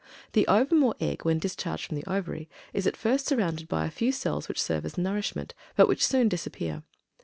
The ovum, or egg, when discharged from the ovary, is at first surrounded by a few cells which serve as nourishment, but which soon disappear.